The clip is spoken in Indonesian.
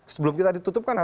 sebelum kita ditutupkan